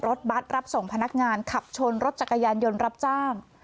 รถบัตรรับส่งพนักงานขับชนรถจักรยานยนต์รับจ้าง